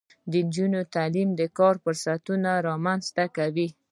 د نجونو تعلیم د کار فرصتونه رامنځته کوي.